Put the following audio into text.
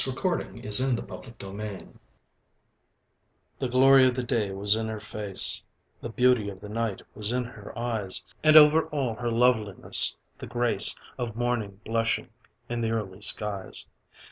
THE GLORY OF THE DAY WAS IN HER FACE The glory of the day was in her face, The beauty of the night was in her eyes. And over all her loveliness, the grace Of Morning blushing in the early skies.